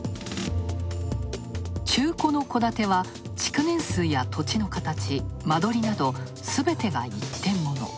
中古の戸建ては築年数や土地の形、間取りなど、すべてが一点もの。